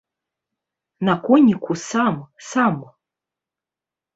На коніку сам, сам.